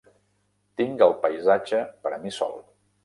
Tinc el paisatge per a mi sol.